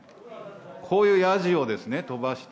こういうやじをですね、飛ばして。